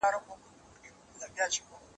د طوطي له خولې خبري نه وتلې